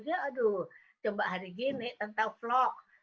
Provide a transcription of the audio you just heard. dia aduh coba hari gini tentang flora